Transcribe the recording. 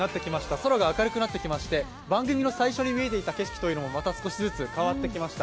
空が明るくなってきまして番組の最初に見えていた景色というのもまた少しずつ変わってきました。